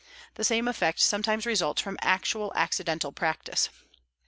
The same effect sometimes results from actual accidental practice.